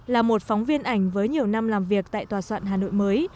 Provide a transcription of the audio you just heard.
là một phóng viên ảnh với nhiều năm làm việc tại tòa soạn hà nội mới